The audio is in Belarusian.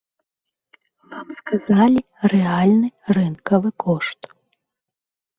Вам сказалі рэальны рынкавы кошт.